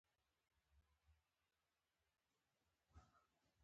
تم شوم، پيښمانه وم، شاګرځ شوم